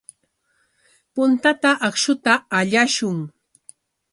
Puntata akshuta allashun.